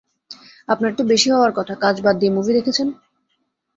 আপনার তো বেশী হওয়ার কথা, কাজ বাদ দিয়ে মুভি দেখেছেন।